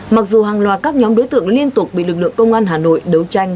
mặc dù hàng loạt các nhóm đối tượng liên tục bị lực lượng công an hà nội đấu tranh